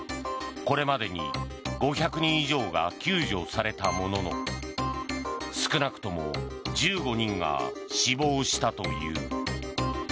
これまでに５００人以上が救助されたものの少なくとも１５人が死亡したという。